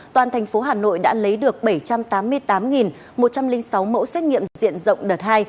toàn thành phố hà nội đã lấy được bảy trăm tám mươi tám một trăm linh sáu mẫu xét nghiệm diện rộng đợt hai